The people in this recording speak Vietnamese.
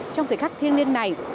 trong thời khắc thiên liên này